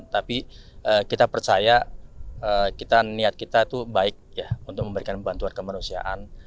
tapi kita percaya kita niat kita itu baik ya untuk memberikan bantuan kemanusiaan